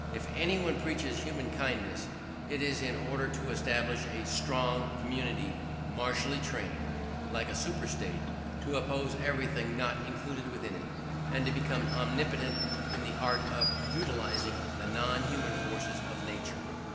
If anyone preaches human kindness, it is in order to establish a "strong" community martially trained, like a super state, to oppose everything not included within it, and to become omnipotent in the art of utilising the non human forces of nature....